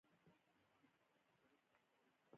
ستر خوشال بابا ډیر زړه ور کس وو